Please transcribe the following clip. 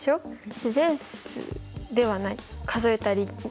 自然数ではない数えたりしないから。